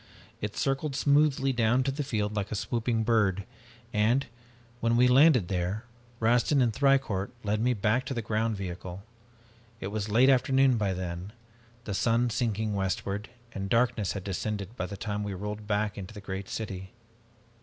It circled smoothly down to the field like a swooping bird, and, when we landed there, Rastin and Thicourt led me back to the ground vehicle. It was late afternoon by then, the sun sinking westward, and darkness had descended by the time we rolled back into the great city.